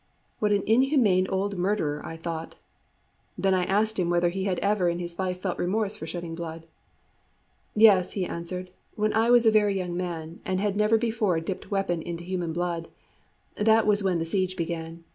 What an inhuman old murderer! I thought. Then I asked him whether he had ever in his life felt remorse for shedding blood. "Yes," he answered; "when I was a very young man, and had never before dipped weapon in human blood; that was when the siege began.